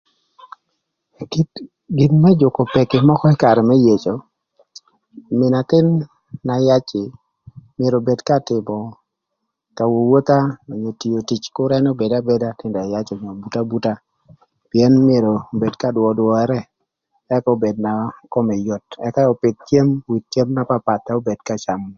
Gin më jükö peki mökö ï karë më yeco, mïn athïn na yac myero obed ka tïmö ka wowotha më tio tic kür obed abeda onyo obut abuta pïën myero obed ka dwö dwörë ek obed na kome yot ëka obed cem with cem na papath ëk obed ka camö.